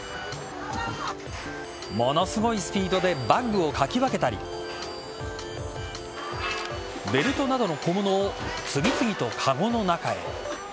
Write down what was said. ものすごいスピードでバッグをかき分けたりベルトなどの小物を次々とかごの中へ。